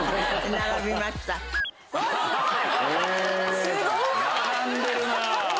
並んでるなぁ。